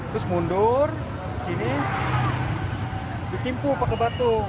terus mundur sini ditimpu pakai batu